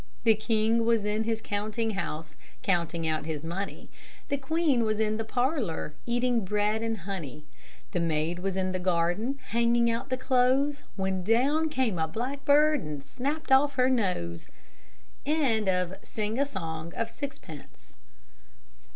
The king was in his counting house, Counting out his money; The queen was in the parlor, Eating bread and honey. The maid was in the garden, Hanging out the clothes; When down came a blackbird And snapped off her nose.